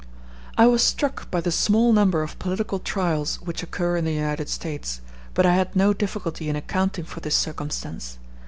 I was struck by the small number of political trials which occur in the United States, but I had no difficulty in accounting for this circumstance.